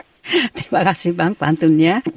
terima kasih bang pantunnya